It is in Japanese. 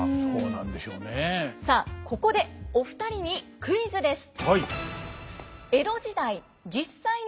さあここでお二人にクイズです。